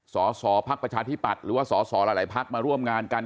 สสพักประชาธิปัตย์หรือว่าสสหลายพักมาร่วมงานกัน